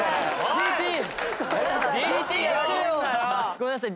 ごめんなさい。